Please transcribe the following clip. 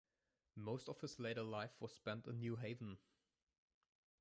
Most of his later life was spent in New Haven.